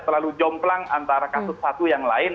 terlalu jomplang antara kasus satu yang lain